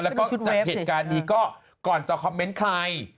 แล้วก็จากเหตุการณ์นี้ก็ก่อนจะคอมเมนต์ใคร